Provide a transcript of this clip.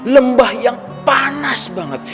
lembah yang panas banget